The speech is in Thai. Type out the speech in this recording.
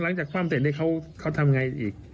หลังจากคว่ำเสร็จเขาทำอย่างไรอีก